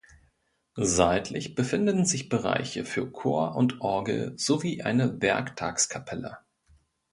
Seitlich befinden sich Bereiche für Chor und Orgel sowie eine Werktagskapelle.